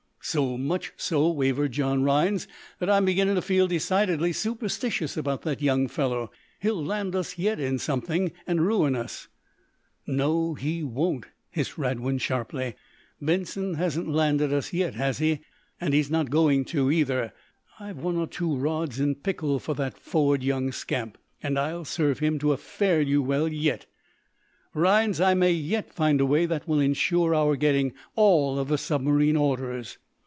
"So much so," wavered John Rhinds, "that I'm beginning to feel decidedly superstitious about that young fellow. He'll land us, yet, in something, and ruin us." "No, he won't!" hissed Radwin, sharply. "Benson hasn't landed us yet, has he? And he's not going to, either! I've one or two rods in pickle for that forward young scamp, and I'll serve him to a fare you well yet! Rhinds, I may yet find a way that will insure our getting all the submarine orders!"